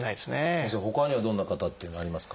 先生ほかにはどんな方っていうのはありますか？